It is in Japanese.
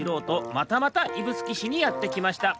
またまた指宿市にやってきました。